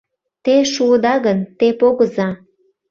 Те шуыда гын, те погыза